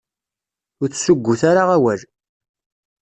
Ur tessuggut ara awal.